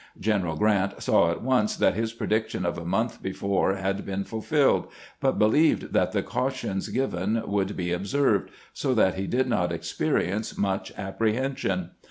General Grrant saw at once that his prediction of a month before had been fulfilled, but believed that the cautions given would be observed, so that he did not experience much apprehension.